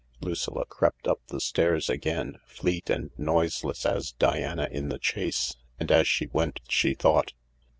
Lucilla crept up the stairs again, fleet and noiseless as Diana in the chase, and as she went she thought.